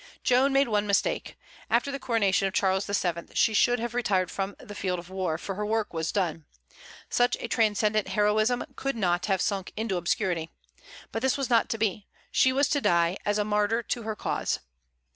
Joan made one mistake: after the coronation of Charles VII. she should have retired from the field of war, for her work was done. Such a transcendent heroism could not have sunk into obscurity. But this was not to be; she was to die as a martyr to her cause.